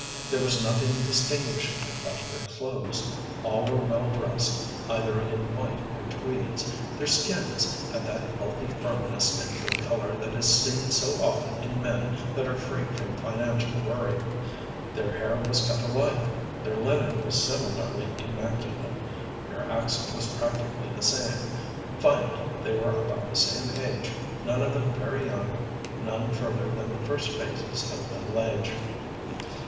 There was nothing distinguishing about their clothes all were well dressed, either in white or tweeds; their skins had that healthy firmness and good color that is seen so often in men that are free from financial worry; their hair was cut alike; their linen was similarly immaculate; their accent was practically the same. Finally they were about the same age none of them very young, none further than the first phases of middle age.